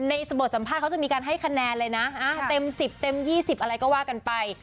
บทสัมภาษณ์เขาจะมีการให้คะแนนเลยนะเต็ม๑๐เต็ม๒๐อะไรก็ว่ากันไป